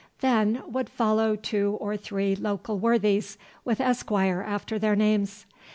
Then would follow two or three local worthies with Esquire after their names.